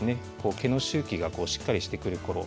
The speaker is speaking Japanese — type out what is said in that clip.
毛の周期がしっかりしてくるころ